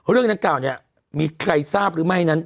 เรื่องนั้นกล่าวนี้มีใครทราบหรือไม่ให้นั้น